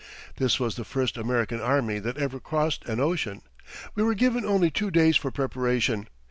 This was the first American army that ever crossed an ocean. We were given only two days for preparation.